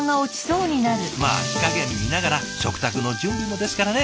まあ火加減見ながら食卓の準備もですからね。